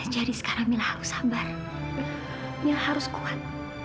jadi sekarang mila harus sabar mila harus kuat